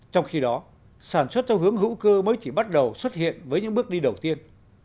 trong khi đó sản xuất theo hướng hữu cơ mới chỉ bắt đầu xuất hiện với những bước đi đầu tiên